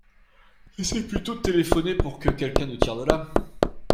Essaie plutôt de téléphoner pour que quelqu’un nous tire de là!